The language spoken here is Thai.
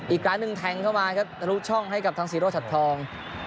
อีกร้านนึงแทงค์เข้ามาณดูช่องให้กับทางซีโร๊ตชัดทอง